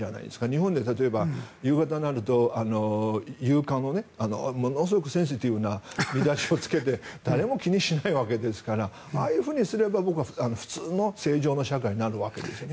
日本で例えば、夕方になると夕刊にものすごくセンシティブな見出しをつけて誰も気にしないわけですからああいうふうにすれば普通の正常な社会になるわけですよね。